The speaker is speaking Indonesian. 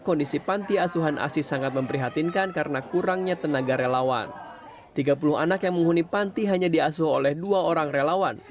perempuan sebelas noodle halusnya juga mem rewind exchange delivering super danielle axes